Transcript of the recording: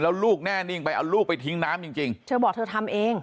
แล้วลูกแน่นิ่งไปเอาลูกไปทิ้งน้ำจริงจริงเธอบอกเธอทำเอง